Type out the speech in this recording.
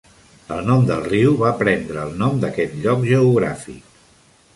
El nom del riu va prendre el nom d'aquest lloc geogràfic.